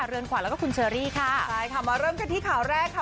เรือนขวัญแล้วก็คุณเชอรี่ค่ะใช่ค่ะมาเริ่มกันที่ข่าวแรกค่ะ